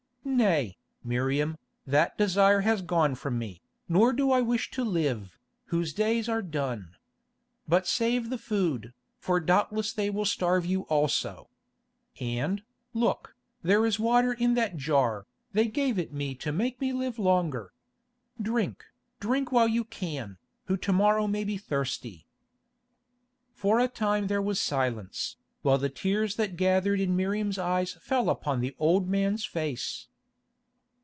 "Nay, Miriam, that desire has gone from me, nor do I wish to live, whose days are done. But save the food, for doubtless they will starve you also. And, look, there is water in that jar, they gave it me to make me live the longer. Drink, drink while you can, who to morrow may be thirsty." For a time there was silence, while the tears that gathered in Miriam's eyes fell upon the old man's face.